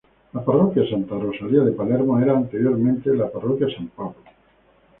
La Parroquia Santa Rosalia de Palermo era anteriormente la Parroquia San Pablo.